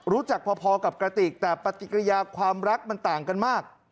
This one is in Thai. รู้จักพอกับกระติกแต่ปฏิกิริยาความรักมันต่างกันมาก